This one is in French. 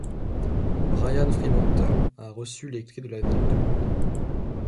Brian Freemantle a reçu les clés de la ville de Londres.